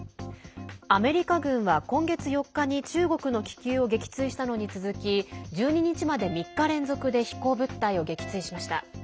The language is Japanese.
アメリカ軍は今月４日に中国の気球を撃墜したのに続き１２日まで、３日連続で飛行物体を撃墜しました。